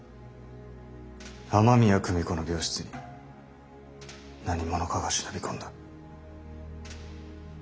雨宮久美子の病室に何者かが忍び込んだ。